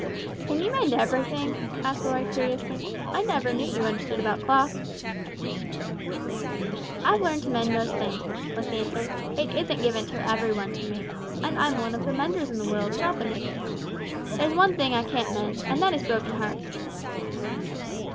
"Can you mend everything?" asked Roy, curiously; "I never knew you understood about clocks." "I've learned to mend most things," was the answer; "it isn't given to every one to make, and I'm one of the menders in the world not the makers. There's one thing I can't mend and that is broken hearts."